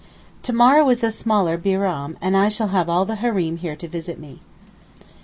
To morrow is the smaller Bairam, and I shall have all the Hareem here to visit me.